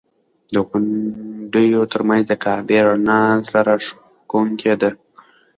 د غونډیو تر منځ د کعبې رڼا زړه راښکونکې ده.